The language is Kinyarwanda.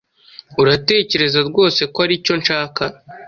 Uratekereza rwose ko aricyo nshaka?